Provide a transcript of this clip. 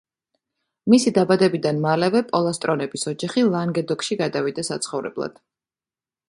მისი დაბადებიდან მალევე პოლასტრონების ოჯახი ლანგედოკში გადავიდა საცხოვრებლად.